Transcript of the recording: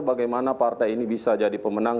bagaimana partai ini bisa jadi pemenang